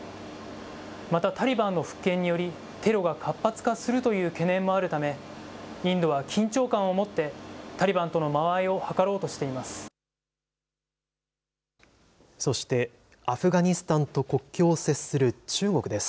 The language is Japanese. また、タリバンの復権により、テロが活発化するという懸念もあるため、インドは緊張感を持って、タリバンとの間合いをはかろうとそして、アフガニスタンと国境を接する中国です。